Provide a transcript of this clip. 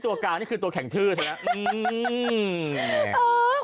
ตัวกลางนี่คือตัวแข็งทืดนะ